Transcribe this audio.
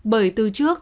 bởi từ trước